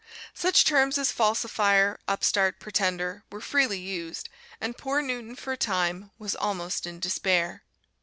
Such terms as "falsifier," "upstart," "pretender," were freely used, and poor Newton for a time was almost in despair.